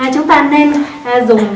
chúng ta nên dùng